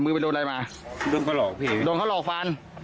ไปโดนอะไรมาโดนเขาหลอกพี่โดนเขาหลอกฟัน